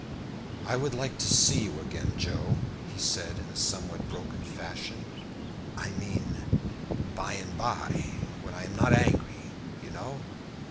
"I would like to see you again, Joe," he said in a somewhat broken fashion. "I mean, by and by, when I am not angry, you know."